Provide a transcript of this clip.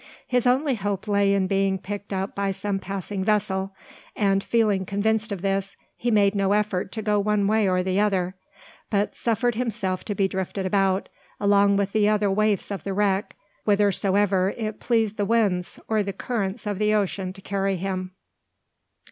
His only hope lay in being picked up by some passing vessel; and, feeling convinced of this, he made no effort to go one way or the other, but suffered himself to be drifted about, along with the other waifs of the wreck, whithersoever it pleased the winds or the currents of the ocean to carry him.